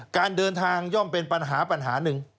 การเดินทางย่อมเป็นปัญหาปัญหาหนึ่ง